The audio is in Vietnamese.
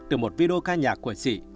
từ một video ca nhạc của chị